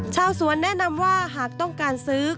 ชาวสวนแนะนำว่าหากต้องการซื้อ